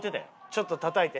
ちょっとたたいて。